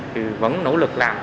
thì vẫn nỗ lực làm